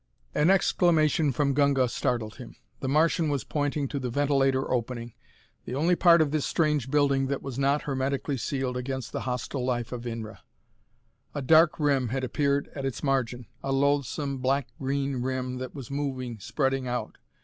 An exclamation from Gunga startled him. The Martian was pointing to the ventilator opening, the only part of this strange building that was not hermetically sealed against the hostile life of Inra. A dark rim had appeared at its margin, a loathsome, black green rim that was moving, spreading out.